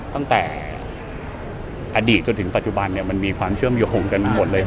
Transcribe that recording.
ตั้งแต่อดีตจนถึงปัจจุบันเนี่ยมันมีความเชื่อมโยงกันหมดเลย